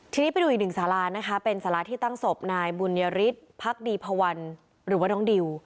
ทีนี้ไปดูอีกหนึ่งสารานะคะเป็นสาราที่ตั้งศพนายบุญยฤทธิ์พักดีพวันหรือว่าน้องดิว